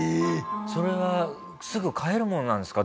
それがすぐ飼えるものなんですか？